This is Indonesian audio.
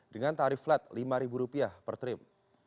dengan tarif flat rp lima per trim